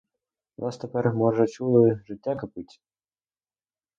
У нас тепер, може, чули, життя кипить.